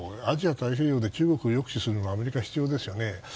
アジア太平洋で中国を抑止するのにアメリカ必要ですよね。